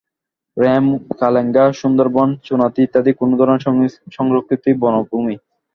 রেমা-কালেঙ্গা, সুন্দরবন, চুনাতি ইত্যাদি কোন ধরনের সংরক্ষিত বনভূমি?